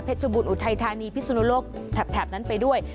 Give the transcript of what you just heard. ชุบรอุทัยธานีพิสุนโลกแถบนั้นไปด้วย